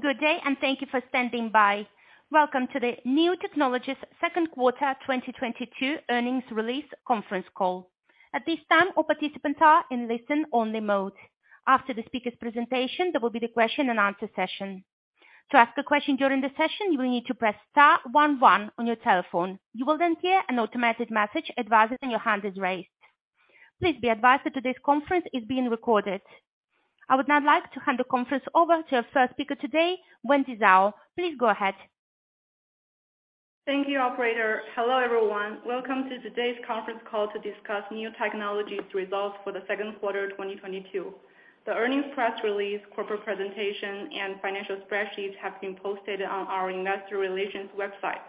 Good day, thank you for standing by. Welcome to the Niu Technologies Second Quarter 2022 Earnings Release Conference Call. At this time, all participants are in listen-only mode. After the speaker's presentation, there will be the question and answer session. To ask a question during the session, you will need to press star one one on your telephone. You will then hear an automated message advising your hand is raised. Please be advised that today's conference is being recorded. I would now like to hand the conference over to our first speaker today, Wendy Zhao. Please go ahead. Thank you, operator. Hello, everyone. Welcome to today's conference call to discuss Niu Technologies results for the second quarter 2022. The earnings press release, corporate presentation, and financial spreadsheets have been posted on our Investor Relations website.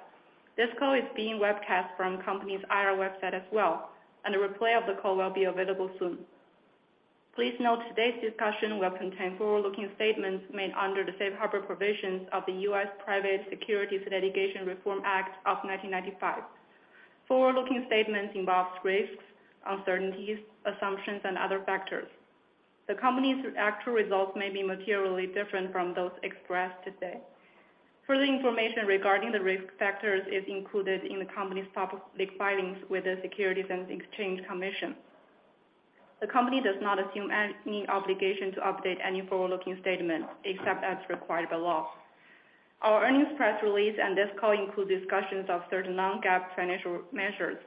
This call is being webcast from the company's IR website as well, and a replay of the call will be available soon. Please note today's discussion will contain forward-looking statements made under the Safe Harbor Provisions of the U.S. Private Securities Litigation Reform Act of 1995. Forward-looking statements involve risks, uncertainties, assumptions, and other factors. The company's actual results may be materially different from those expressed today. Further information regarding the risk factors is included in the company's public filings with the Securities and Exchange Commission. The company does not assume any obligation to update any forward-looking statement except as required by law. Our earnings press release and this call include discussions of certain non-GAAP financial measures.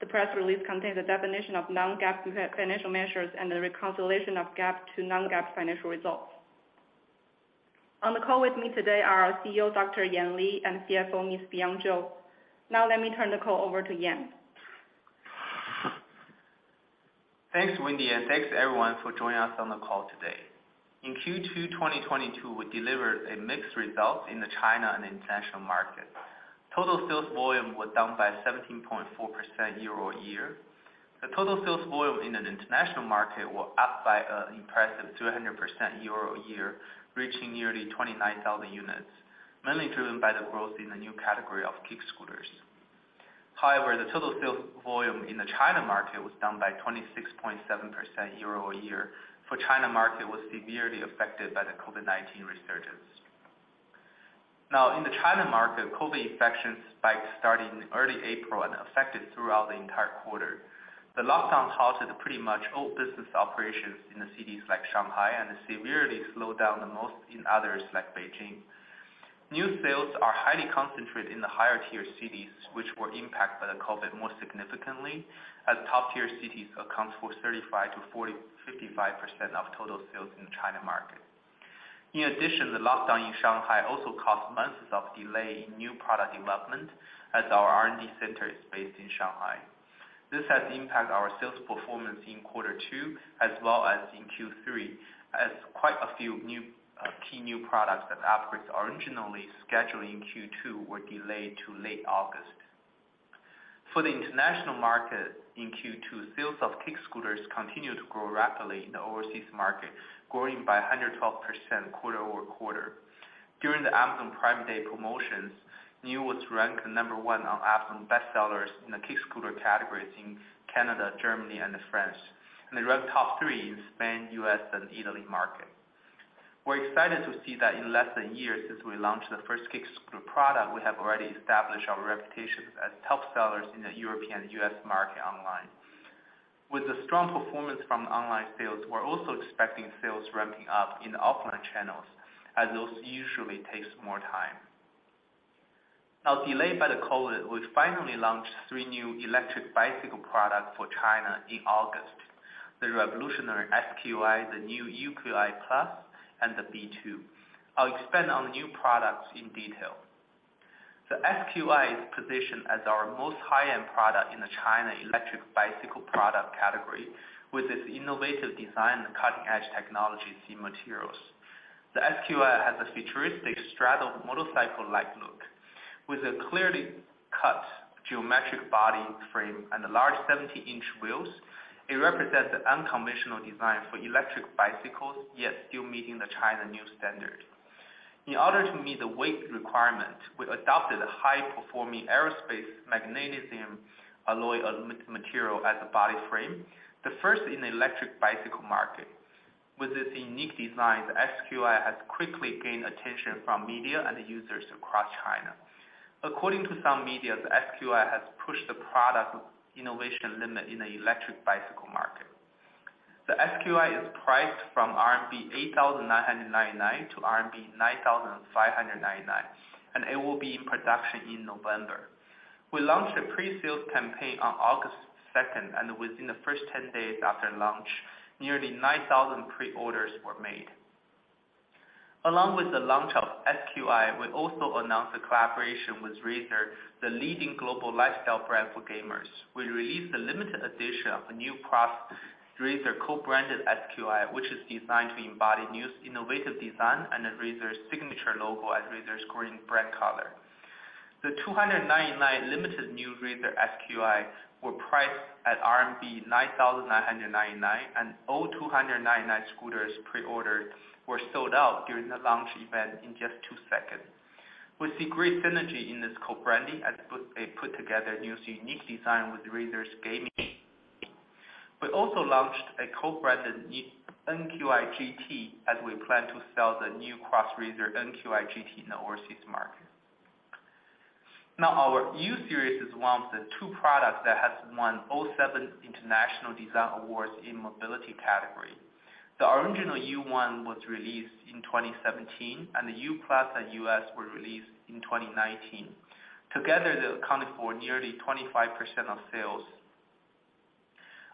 The press release contains the definition of non-GAAP financial measures and the reconciliation of GAAP to non-GAAP financial results. On the call with me today are our CEO, Dr. Yan Li, and CFO, Fion Zhou. Now, let me turn the call over to Yan. Thanks, Wendy, and thanks everyone for joining us on the call today. In Q2 2022, we delivered a mixed result in the China and international market. Total sales volume was down by 17.4% year-over-year. The total sales volume in the international market were up by impressive 200% year-over-year, reaching nearly 29,000 units, mainly driven by the growth in the new category of kick scooters. However, the total sales volume in the China market was down by 26.7% year-over-year, for China market was severely affected by the COVID-19 resurgence. Now, in the China market, COVID infection spike started in early April and affected throughout the entire quarter. The lockdown halted pretty much all business operations in the cities like Shanghai and severely slowed down the most in others like Beijing. New sales are highly concentrated in the higher-tier cities, which were impacted by the COVID-19 most significantly, as top-tier cities account for 35%-45% of total sales in the China market. In addition, the lockdown in Shanghai also cost months of delay in new product development as our R&D center is based in Shanghai. This has impacted our sales performance in quarter two as well as in Q3, as quite a few new key new products that were originally scheduled in Q2 were delayed to late August. For the international market in Q2, sales of kick scooters continued to grow rapidly in the overseas market, growing by 112% quarter-over-quarter. During the Amazon Prime Day promotions, Niu was ranked number one on Amazon bestsellers in the kick scooter categories in Canada, Germany, and France, and they ranked top three in Spain, U.S., and Italy market. We're excited to see that in less than two years since we launched the first kick scooter product, we have already established our reputation as top sellers in the European and U.S. market online. With the strong performance from online sales, we're also expecting sales ramping up in the offline channels, as those usually takes more time. Now, delayed by COVID-19, we finally launched three new electric bicycle products for China in August. The revolutionary SQi, the new UQi+, and the B2. I'll expand on the new products in detail. The SQi is positioned as our most high-end product in the Chinese electric bicycle product category. With its innovative design and cutting-edge technology in materials. The SQi has a futuristic straddle motorcycle-like look. With a clearly cut geometric body frame and a large 17-in wheels, it represents an unconventional design for electric bicycles, yet still meeting the China new standard. In order to meet the weight requirement, we adopted a high-performing aerospace magnesium alloy material as a body frame, the first in the electric bicycle market. With this unique design, the SQi has quickly gained attention from media and users across China. According to some media, the SQi has pushed the product innovation limit in the electric bicycle market. The SQi is priced from 8,999-9,599 RMB, and it will be in production in November. We launched a presale campaign on August second, and within the first 10 days after launch, nearly 9,000 preorders were made. Along with the launch of SQi, we also announced a collaboration with Razer, the leading global lifestyle brand for gamers. We released a limited edition of a new Razer co-branded SQi, which is designed to embody NIU's innovative design and Razer's signature logo as Razer's green brand color. The 299 limited new Razer SQi were priced at RMB 9,999, and all 299 scooters preordered were sold out during the launch event in just two seconds. We see great synergy in this co-branding they put together NIU's unique design with Razer's gaming. We also launched a co-branded NQi GT as we plan to sell the new Razer NQi GT in the overseas market. Now our U-Series is one of the two products that has won all seven international design awards in mobility category. The original U1 was released in 2017, and the U+ and U-Series were released in 2019. Together, they accounted for nearly 25% of sales.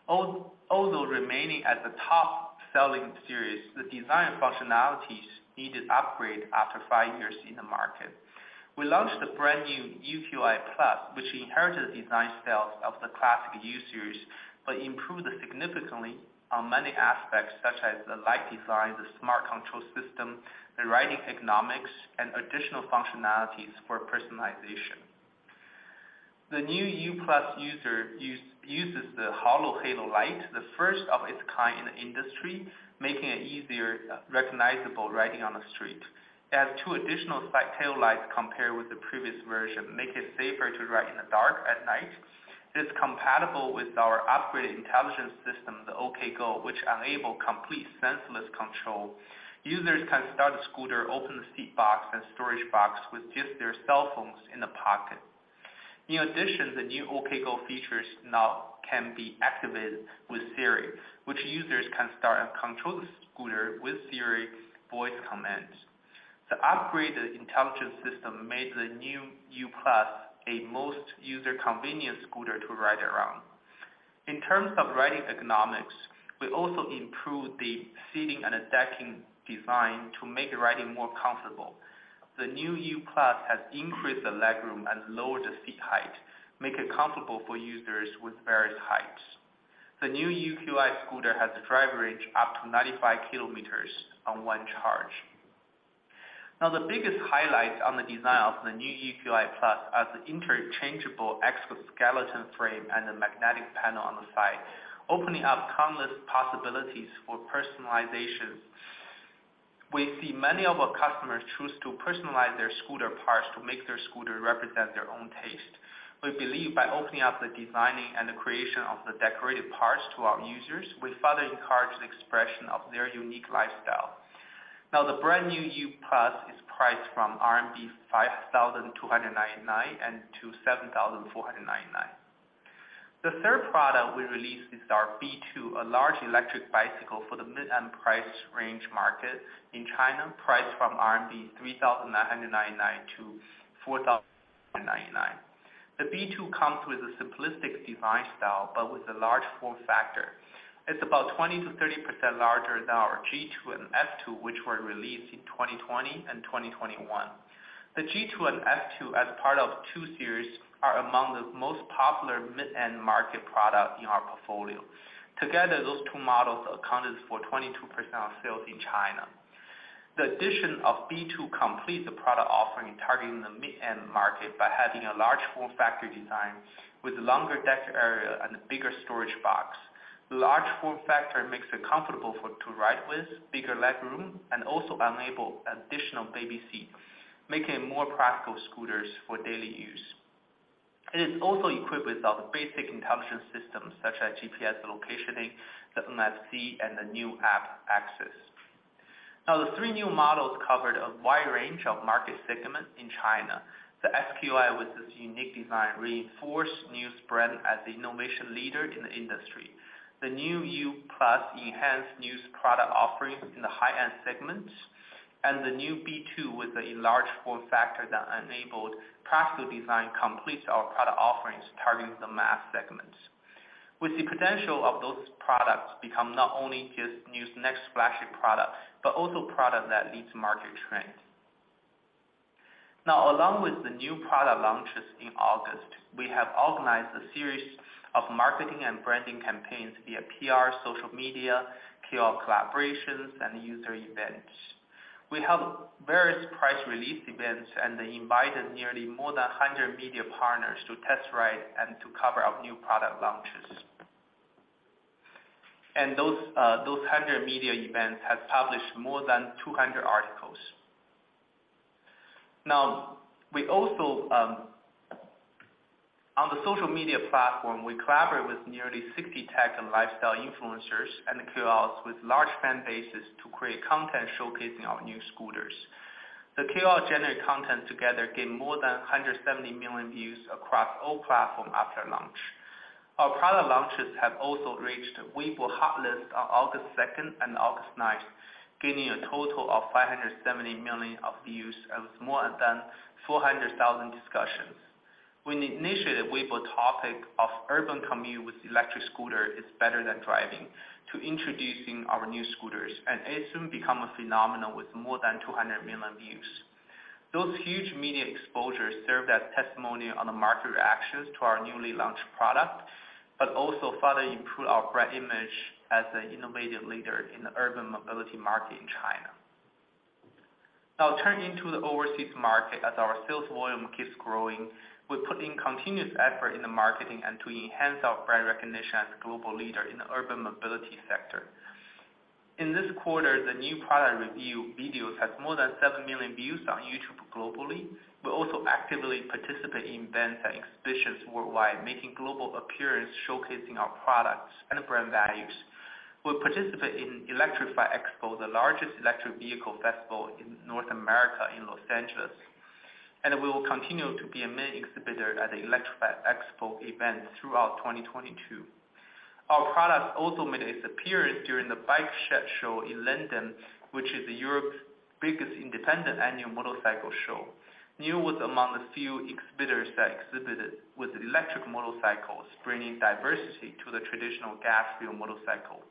Although remaining at the top-selling series, the design functionalities needed upgrade after five years in the market. We launched the brand new UQi+, which inherited the design DNA of the classic U-series, but improved significantly on many aspects, such as the light design, the smart control system, the riding ergonomics, and additional functionalities for personalization. The new U+ uses the hollow halo light, the first of its kind in the industry, making it easier recognizable riding on the street. It has two additional side tail lights compared with the previous version, making it safer to ride in the dark at night. It's compatible with our upgraded intelligence system, the OkGo, which enables complete keyless control. Users can start the scooter, open the seat box and storage box with just their cell phones in the pocket. In addition, the new OkGo features now can be activated with Siri, which users can start and control the scooter with Siri voice commands. The upgraded intelligence system made the new U+ a most user convenient scooter to ride around. In terms of riding ergonomics, we also improved the seating and the decking design to make riding more comfortable. The new U+ has increased the legroom and lowered the seat height, make it comfortable for users with various heights. The new UQi scooter has a driving range up to 95 km on one charge. Now, the biggest highlight on the design of the new UQi+ are the interchangeable exoskeleton frame and the magnetic panel on the side, opening up countless possibilities for personalization. We see many of our customers choose to personalize their scooter parts to make their scooter represent their own taste. We believe by opening up the designing and the creation of the decorative parts to our users, we further encourage the expression of their unique lifestyle. The brand new U+ is priced from 5,299-7,499 RMB. The third product we released is our B2, a large electric bicycle for the mid-end price range market in China, priced from 3,999-4,099 RMB. The B2 comes with a simplistic design style, but with a large form factor. It's about 20%-30% larger than our G2 and F2, which were released in 2020 and 2021. The G2 and F2 as part of two series, are among the most popular mid-end market product in our portfolio. Together, those two models accounted for 22% of sales in China. The addition of B2 completes the product offering, targeting the mid-end market by having a large form factor design with a longer deck area and a bigger storage box. The large form factor makes it comfortable to ride with bigger leg room, and also enables additional baby seat, making more practical scooters for daily use. It is also equipped with our basic intelligence systems such as GPS locating, the NFC and the new app access. Now, the three new models covered a wide range of market segments in China. The SQi with its unique design, reinforces Niu's spread as the innovation leader in the industry. The new U+ enhanced new product offerings in the high-end segments, and the new B2 with an enlarged form factor that enabled practical design completes our product offerings, targeting the mass segments. With the potential of those products to become not only just Niu's next flagship product, but also product that leads market trend. Now, along with the new product launches in August, we have organized a series of marketing and branding campaigns via PR, social media, key collaborations and user events. We held various product release events and invited nearly more than 100 media partners to test ride and to cover our new product launches. Those 100 media events have published more than 200 articles. Now, we also on the social media platform, we collaborate with nearly 60 tech and lifestyle influencers and KOLs with large fan bases to create content showcasing our new scooters. The KOL generate content together, gaining more than 170 million views across all platforms after launch. Our product launches have also reached Weibo hot list on August 2nd and August 9th, gaining a total of 570 million views and more than 400,000 discussions. We initiated a Weibo topic of, "Urban commute with electric scooter is better than driving," to introducing our new scooters, and it soon become a phenomenon with more than 200 million views. Those huge media exposures served as testimony on the market reactions to our newly launched product, but also further improve our brand image as an innovative leader in the urban mobility market in China. I'll turn to the overseas market as our sales volume keeps growing. We're putting continuous effort in the marketing and to enhance our brand recognition as a global leader in the urban mobility sector. In this quarter, the new product review videos has more than 7 million views on YouTube globally. We also actively participate in events and exhibitions worldwide, making global appearance, showcasing our products and brand values. We participate in Electrify Expo, the largest electric vehicle festival in North America in Los Angeles, and we will continue to be a main exhibitor at the Electrify Expo events throughout 2022. Our products also made its appearance during the Bike Shed Moto Show in London, which is Europe's biggest independent annual motorcycle show. NIU was among the few exhibitors that exhibited with electric motorcycles, bringing diversity to the traditional gas field motorcycle.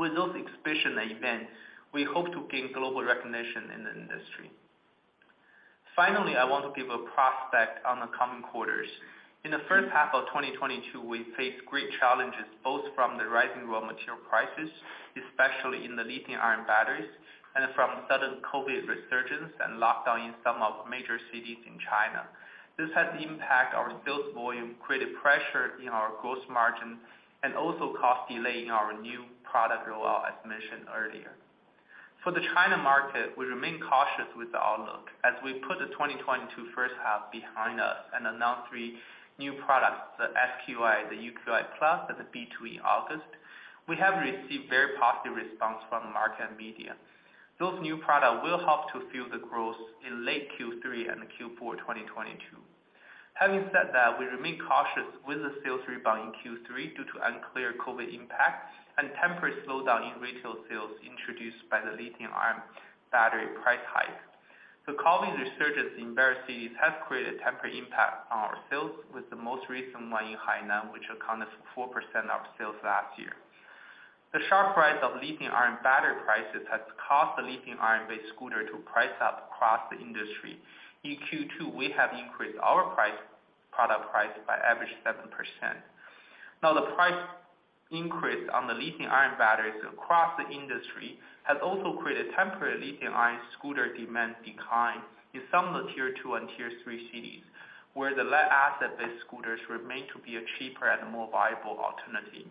With those exhibition events, we hope to gain global recognition in the industry. Finally, I want to give prospects on the coming quarters. In the first half of 2022, we faced great challenges both from the rising raw material prices, especially in the lithium-ion batteries, and from sudden COVID resurgence and lockdown in some of major cities in China. This has impacted our sales volume, created pressure in our gross margin, and also caused delaying our new product rollout, as mentioned earlier. For the China market, we remain cautious with the outlook as we put the 2022 first half behind us and announced three new products, the SQi, the UQi+, and the B2 in August. We have received very positive response from market and media. Those new products will help to fuel the growth in late Q3 and Q4 2022. Having said that, we remain cautious with the sales rebound in Q3 due to unclear COVID impact and temporary slowdown in retail sales introduced by the lithium ion battery price hike. The COVID resurgence in various cities has created temporary impact on our sales, with the most recent one in Hainan, which accounted for 4% of sales last year. The sharp rise of lithium ion battery prices has caused the lithium ion-based scooter prices up across the industry. In Q2, we have increased our product price by average 7%. Now, the price increase on the lithium ion batteries across the industry has also created temporary lithium ion scooter demand decline in some of the Tier 2 and Tier 3 cities, where the lead-acid based scooters remain to be a cheaper and more viable alternative.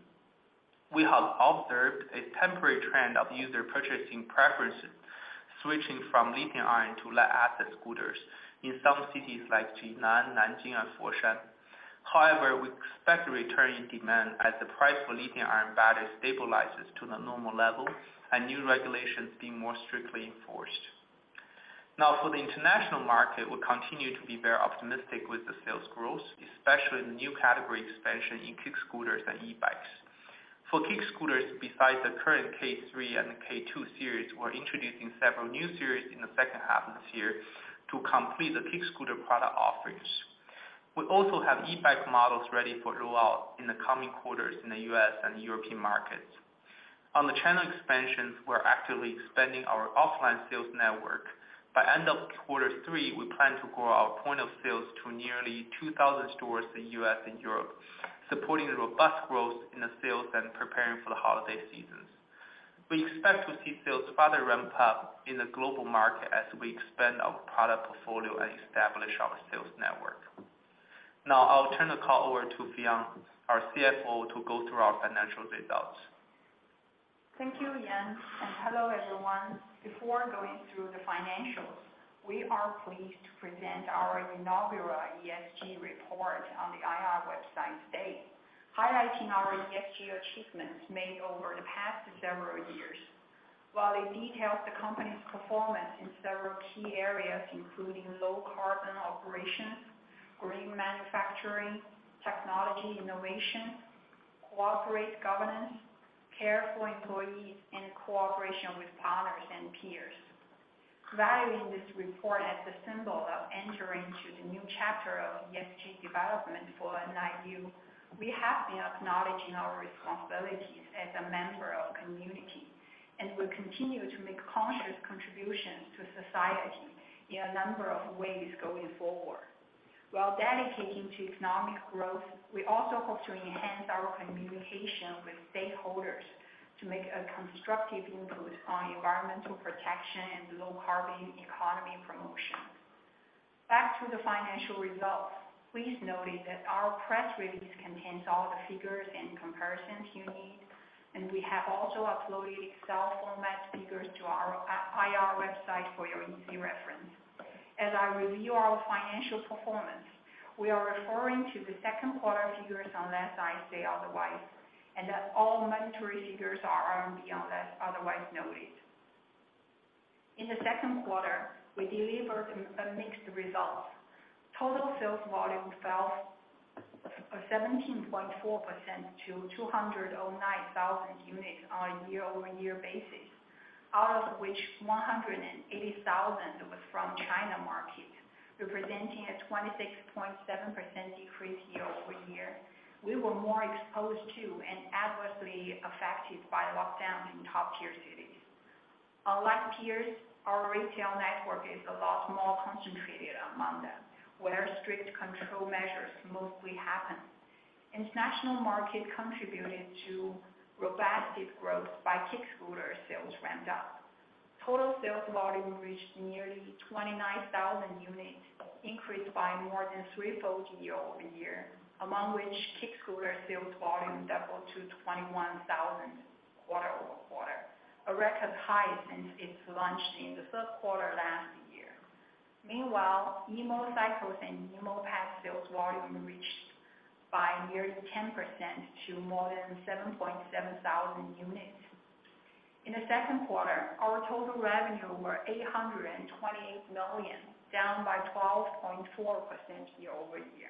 We have observed a temporary trend of user purchasing preferences switching from lithium ion to lead-acid scooters in some cities like Jinan, Nanjing, and Foshan. However, we expect a return in demand as the price for lithium ion batteries stabilizes to the normal level and new regulations being more strictly enforced. Now, for the international market, we continue to be very optimistic with the sales growth, especially in the new category expansion in kick scooters and e-bikes. For kick scooters, besides the current KQi3 and KQi2 series, we're introducing several new series in the second half of this year to complete the kick scooter product offerings. We also have e-bike models ready for rollout in the coming quarters in the U.S. and European markets. On the channel expansions, we're actively expanding our offline sales network. By end of quarter three, we plan to grow our point of sales to nearly 2,000 stores in U.S. and Europe, supporting the robust growth in the sales and preparing for the holiday seasons. We expect to see sales further ramp up in the global market as we expand our product portfolio and establish our sales network. Now, I'll turn the call over to Fion Zhou, our CFO, to go through our financial results. Thank you, Yan, and hello, everyone. Before going through the financials, we are pleased to present our inaugural ESG report on the IR website today, highlighting our ESG achievements made over the past several years. While it details the company's performance in several key areas, including low carbon operations, green manufacturing, technology innovation, corporate governance, care for employees, and cooperation with partners and peers. Valuing this report as the symbol of entering to the new chapter of ESG development for NIU, we have been acknowledging our responsibilities as a member of community, and we continue to make conscious contributions to society in a number of ways going forward. While dedicating to economic growth, we also hope to enhance our communication with stakeholders to make a constructive input on environmental protection and low-carbon economy promotion. Back to the financial results. Please notice that our press release contains all the figures and comparisons you need, and we have also uploaded Excel format figures to our IR website for your easy reference. As I review our financial performance, we are referring to the second quarter figures unless I say otherwise, and that all monetary figures are renminbi unless otherwise noted. In the second quarter, we delivered a mixed result. Total sales volume fell 17.4% to 209,000 units on a year-over-year basis. Out of which, 180,000 was from China market, representing a 26.7% decrease year-over-year. We were more exposed to and adversely affected by lockdowns in top-tier cities. Unlike peers, our retail network is a lot more concentrated among them, where strict control measures mostly happen. International market contributed to robust deep growth. Sales ramped up. Total sales volume reached nearly 29,000 units, increased by more than threefold year-over-year, among which kick scooter sales volume doubled to 21,000 quarter-over-quarter, a record high since it was launched in the third quarter last year. Meanwhile, E-motorcycles and E-mopeds sales volume increased by nearly 10% to more than 7,700 units. In the second quarter, our total revenue was 828 million, down 12.4% year-over-year,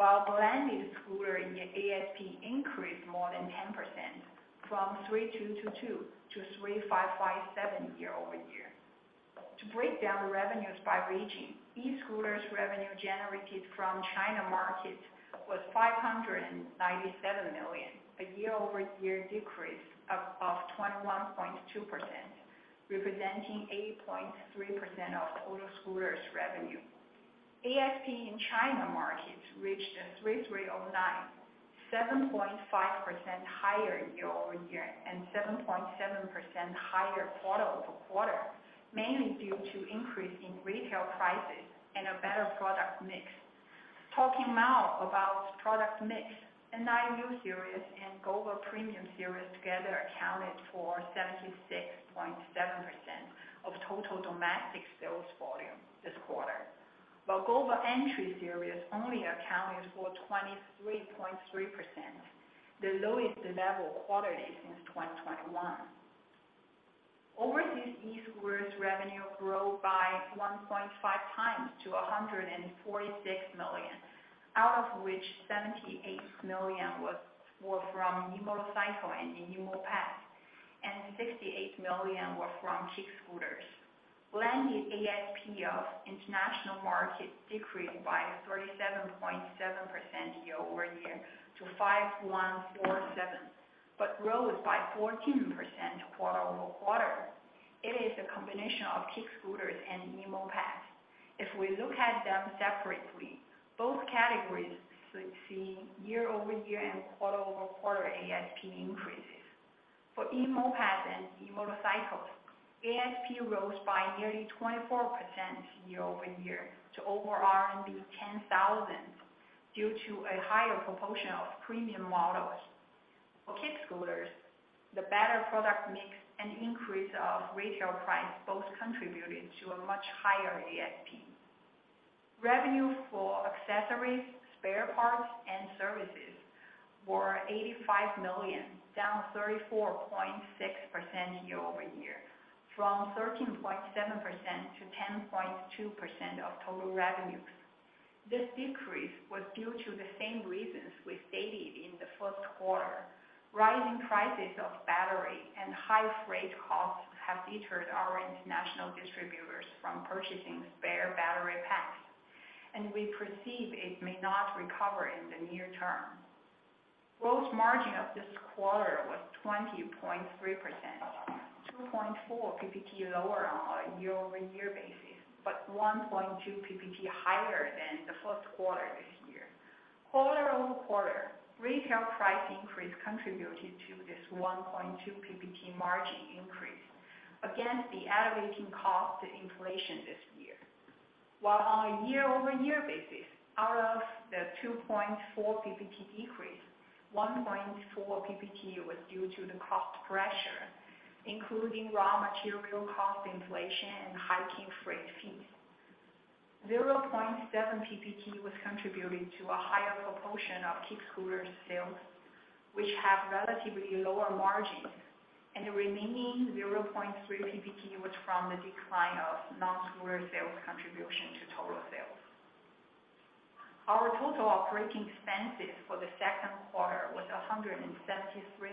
while blended scooter ASP increased more than 10% from 3,200 to 3,557 year-over-year. To break down revenues by region, e-scooters revenue generated from China market was 597 million, a year-over-year decrease of 21.2%, representing 80.3% of total scooters revenue. ASP in China markets reached 3,309, 7.5% higher year-over-year and 7.7% higher quarter-over-quarter, mainly due to increase in retail prices and a better product mix. Talking now about product mix, Niu series and Gova Premium series together accounted for 76.7% of total domestic sales volume this quarter. While Gova Entry series only accounted for 23.3%, the lowest level quarterly since 2021. Overseas e-scooters revenue grew by 1.5x to 146 million, out of which 78 million were from e-motorcycle and e-moped, and 68 million were from kick scooters. Landed ASP of international markets decreased by 37.7% year-over-year to 5,147, but rose by 14% quarter-over-quarter. It is a combination of kick scooters and e-moped. If we look at them separately, both categories should see year-over-year and quarter-over-quarter ASP increases. For e-moped and e-motorcycles, ASP rose by nearly 24% year-over-year to over RMB 10,000, due to a higher proportion of premium models. For kick scooters, the better product mix and increase of retail price both contributed to a much higher ASP. Revenue for accessories, spare parts and services were 85 million, down 34.6% year-over-year from 13.7% to 10.2% of total revenues. This decrease was due to the same reasons we stated in the first quarter. Rising prices of battery and high freight costs have deterred our international distributors from purchasing spare battery packs, and we perceive it may not recover in the near term. Gross margin of this quarter was 20.3%, 2.4 PPT lower on a year-over-year basis, but 1.2 PPT higher than the first quarter this year. Quarter-over-quarter, retail price increase contributed to this 1.2 PPT margin increase against the elevating cost inflation this year. While on a year-over-year basis, out of the 2.4 PPT decrease, 1.4 PPT was due to the cost pressure, including raw material cost inflation and hiking freight fees. 0.7 PPT was contributed to a higher proportion of kick scooter sales, which have relatively lower margins, and the remaining 0.3 PPT was from the decline of non-scooter sales contribution to total sales. Our total operating expenses for the second quarter was 173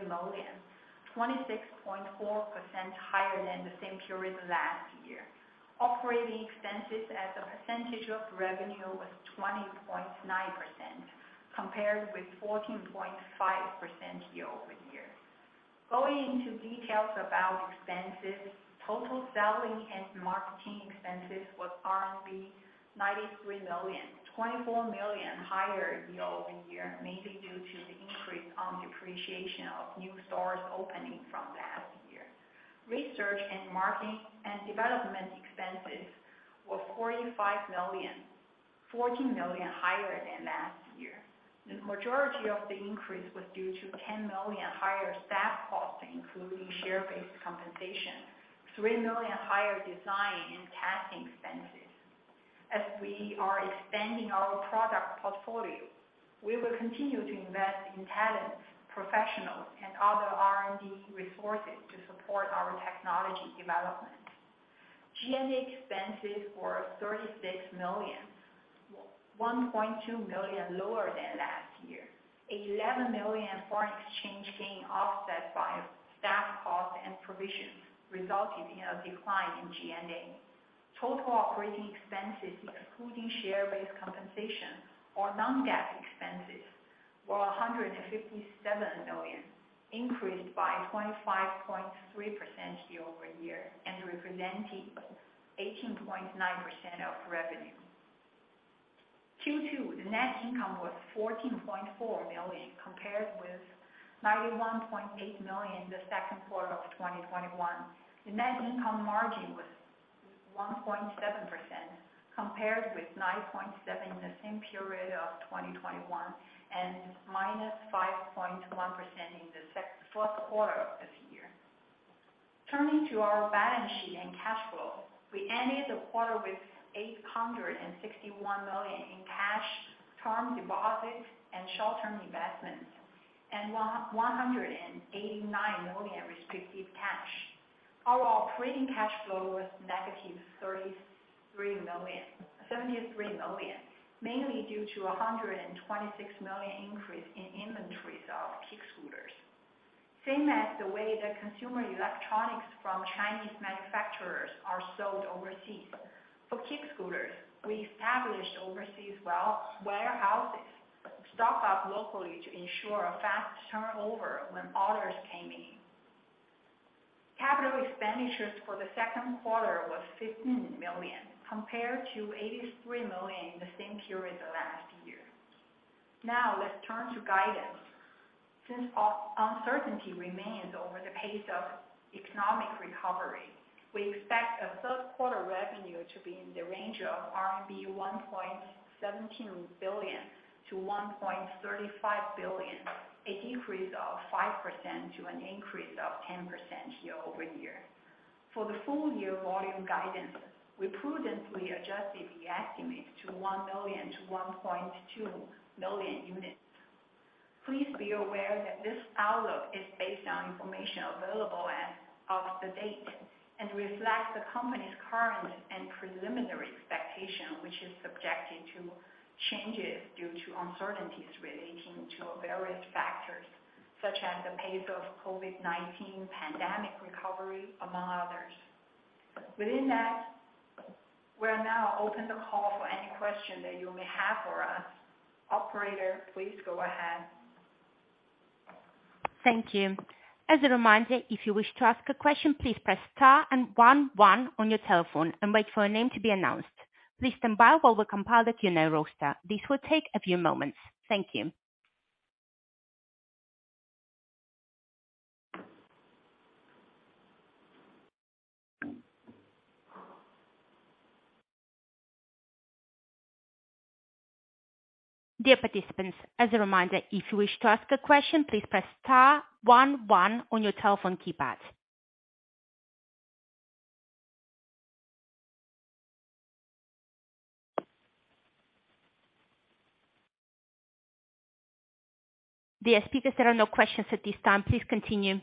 million, 26.4% higher than the same period last year. Operating expenses as a percentage of revenue was 20.9%, compared with 14.5% year-over-year. Going into details about expenses, total selling and marketing expenses was RMB 93 million, 24 million higher year-over-year, mainly due to the increase in depreciation of new stores opening from last year. Research and development expenses were 45 million, 14 million higher than last year. The majority of the increase was due to 10 million higher staff costs, including share-based compensation, 3 million higher design and testing expenses. As we are expanding our product portfolio, we will continue to invest in talent, professionals and other R&D resources to support our technology development. G&A expenses were 36 million, 1.2 million lower than last year. An 11 million foreign exchange gain offset by staff costs and provisions, resulting in a decline in G&A. Total operating expenses excluding share-based compensation or non-GAAP expenses were 157 million, increased by 25.3% year-over-year and representing 18.9% of revenue. Q2, the net income was 14.4 million, compared with 91.8 million the second quarter of 2021. The net income margin was 1.7% compared with 9.7% in the same period of 2021, and -5.1% in the fourth quarter of this year. Turning to our balance sheet and cash flow. We ended the quarter with 861 million in cash, term deposits and short-term investments, and 189 million restricted cash. Our operating cash flow was negative 73 million, mainly due to a 126 million increase in inventories of kick scooters. Same as the way the consumer electronics from Chinese manufacturers are sold overseas. For kick scooters, we established overseas warehouses stocked up locally to ensure a fast turnover when orders came in. Capital expenditures for the second quarter was 15 million, compared to 83 million in the same period last year. Now, let's turn to guidance. Since uncertainty remains over the pace of economic recovery, we expect third quarter revenue to be in the range of 1.17 billion-1.35 billion RMB, an increase of 5% to an increase of 10% year-over-year. For the full year volume guidance, we prudently adjusted the estimates to 1 million-1.2 million units. Please be aware that this outlook is based on information available as of the date and reflects the company's current and preliminary expectation, which is subject to changes due to uncertainties relating to various factors such as the pace of COVID-19 pandemic recovery, among others. Within that, we'll now open the call for any questions that you may have for us. Operator, please go ahead. Thank you. As a reminder, if you wish to ask a question, please press star and one on your telephone and wait for your name to be announced. Please stand by while we compile the Q&A roster. This will take a few moments. Thank you. Dear participants, as a reminder, if you wish to ask a question, please press star one on your telephone keypad. Dear speakers, there are no questions at this time. Please continue.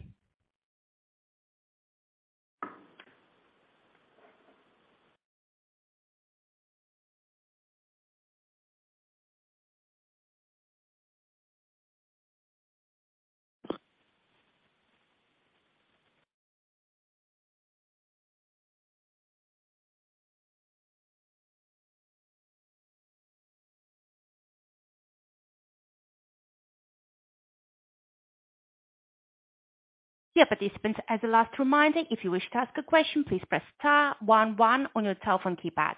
Dear participants, as a last reminder, if you wish to ask a question, please press star one on your telephone keypad.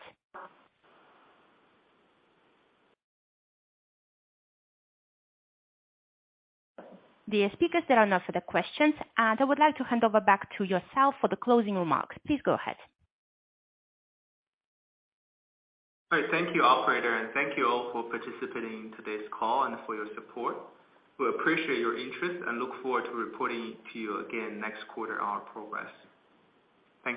Dear speakers, there are no further questions, and I would like to hand over back to yourself for the closing remarks. Please go ahead. All right. Thank you, operator, and thank you all for participating in today's call and for your support. We appreciate your interest and look forward to reporting to you again next quarter on our progress. Thank you.